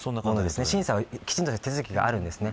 審査は、きちんと手続きがあるんですね。